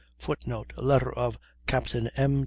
[Footnote: Letter of Capt. M.